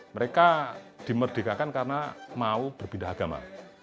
mereka dimerdekakan karena mau berpindah agama